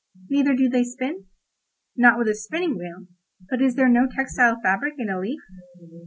"Neither do they spin?" Not with a spinning wheel; but is there no textile fabric in a leaf?